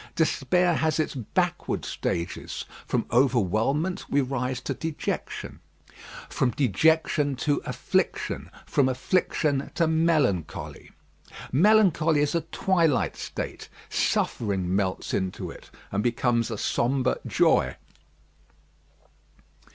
Despair has its backward stages. From overwhelmment we rise to dejection; from dejection to affliction; from affliction to melancholy. Melancholy is a twilight state; suffering melts into it and becomes a sombre joy.